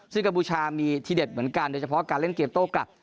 ซึ่งกัมพูชามีทีเด็ดเหมือนกันโดยเฉพาะการเล่นเกมโต้กลับ